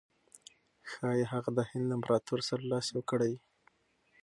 ښایي هغه د هند له امپراطور سره لاس یو کړي.